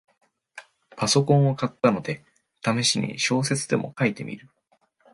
パソコンを買ったので、ためしに小説でも書いてみる